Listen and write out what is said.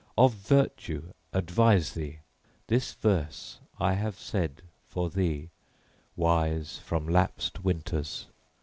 Of virtue advise thee! This verse I have said for thee, wise from lapsed winters.